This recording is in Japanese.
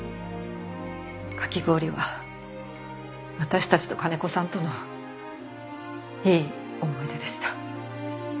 かき氷は私たちと金子さんとのいい思い出でした。